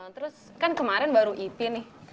terus kan kemarin baru ip nih